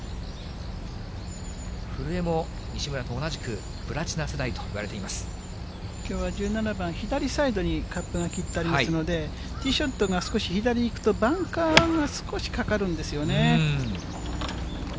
古江も、西村と同じくプラチナ世きょうは１７番、左サイドにカットが切ってありますので、ティーショットが少し左に行くと、バンカーが少しかかるんですよね。